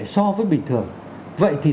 so với bình thường vậy thì